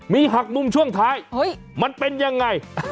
มีหักมุมช่วงท้ายมันเป็นยังไง